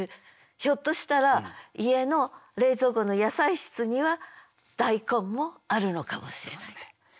ひょっとしたら家の冷蔵庫の野菜室には大根もあるのかもしれない。